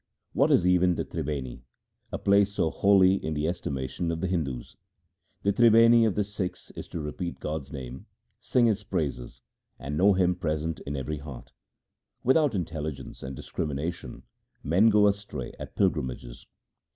What is even the Tribeni — a place so holy in the estimation of the Hindus ? The Tribeni of the Sikhs is to repeat God's name, sing His praises, and know Him present in every heart. Without intelligence and discrimination men go astray at pilgrimages.